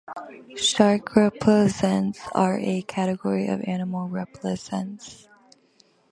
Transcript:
Shark repellents are a category of animal repellents.